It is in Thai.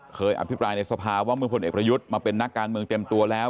เคยอภิปรายในสภาวะพลเน็ตประยุทธมาเป็นนักการเต็มตัวแล้ว